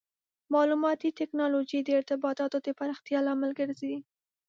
مالوماتي ټکنالوژي د ارتباطاتو د پراختیا لامل ګرځي.